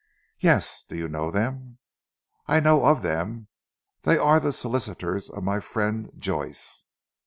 "Yes! Do you know them?" "I know of them. They are the solicitors of my friend Joyce!"